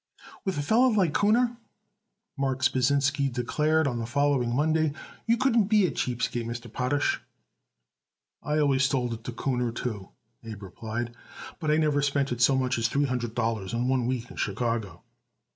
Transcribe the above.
"With a feller like Kuhner," Marks Pasinsky declared on the following Monday, "you couldn't be a cheap skate, Mr. Potash." "I always sold it Kuhner, too," Abe replied; "but I never spent it so much as three hundred dollars in one week in Chicago."